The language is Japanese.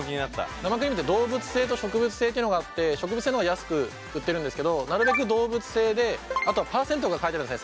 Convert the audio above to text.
生クリームって動物性と植物性っていうのがあって植物の方が安く売ってるんですけどなるべく動物性であとは％が書いてあるんですね。